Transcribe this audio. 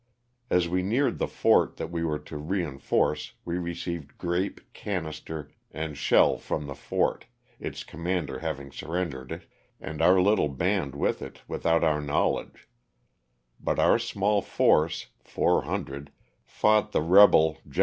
As we neared the fort that we were to re inforce we received grape, canister, and shell from the fort, its commander having surrendered it, and our little band with it, without our knowledge, but our small force (four hundred), fought the rebel G en.